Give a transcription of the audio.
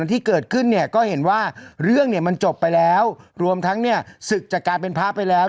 ที่เกิดขึ้นเนี่ยก็เห็นว่าเรื่องเนี่ยมันจบไปแล้วรวมทั้งเนี่ยศึกจากการเป็นพระไปแล้ว